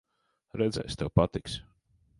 Redzēsi, tev patiks.